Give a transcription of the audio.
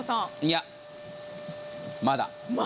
いや、まだ。